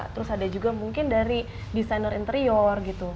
terus ada juga mungkin dari desainer interior gitu